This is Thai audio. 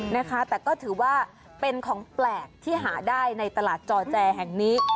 นะคะแต่ก็ถือว่าเป็นของแปลกที่หาได้ในตลาดจอแจแห่งนี้